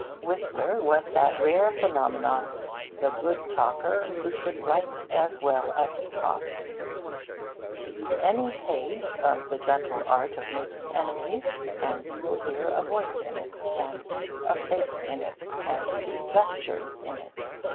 Whistler was that rare phenomenon, the good talker who could write as well as he talked. Read any page of The Gentle Art of Making Enemies, and you will hear a voice in it, and see a face in it, and see gestures in it.